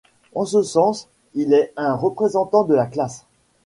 En ce sens, il est un représentant de la classe.